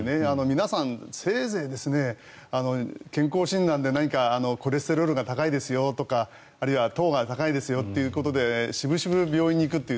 皆さん、せいぜい健康診断でコレステロールが高いですよとかあるいは糖が高いですよということで渋々、病院に行くという。